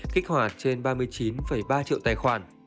kích hoạt trên ba mươi chín ba triệu tài khoản